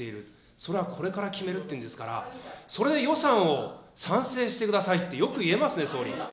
それはこれから決めるって言うんですから、それで予算を賛成してくださいって、よく言えますね、総理。